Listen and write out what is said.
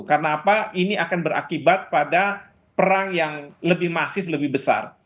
karena apa ini akan berakibat pada perang yang lebih masif lebih besar